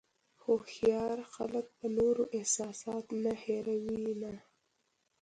هوښیار خلک د نورو احساسات نه هیروي نه.